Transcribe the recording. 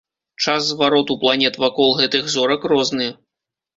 Час звароту планет вакол гэтых зорак розны.